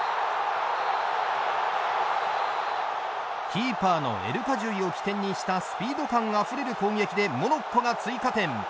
キーパーのエルカジュイを起点にしたスピード感あふれる攻撃でモロッコが追加点。